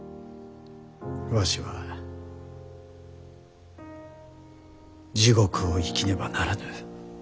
わしは地獄を生きねばならぬ。